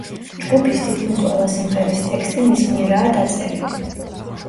ჯგუფის თითქმის ყველა სიმღერის ტექსტი მის მიერაა დაწერილი.